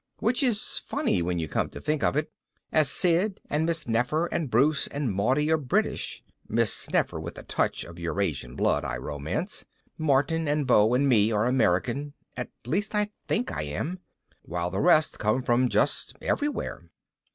Which is funny when you come to think of it, as Sid and Miss Nefer and Bruce and Maudie are British (Miss Nefer with a touch of Eurasian blood, I romance); Martin and Beau and me are American (at least I think I am) while the rest come from just everywhere.